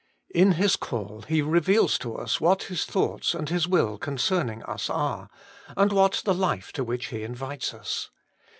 In His call He reveals to us what His thoughts and His will con cerning us are, and what the life to which He invites us.